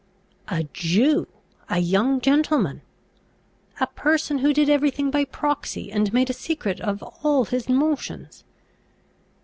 A Jew! a young gentleman! a person who did every thing by proxy, and made a secret of all his motions!